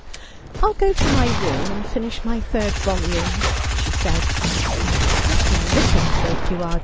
' I'll go to my room and finish my third volume,' she said. ' What a misanthrope you are.